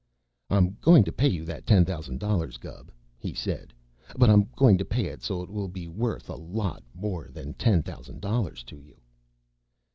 "I'm going to pay you that ten thousand dollars, Gubb," he said, "but I'm going to pay it so it will be worth a lot more than ten thousand dollars to you."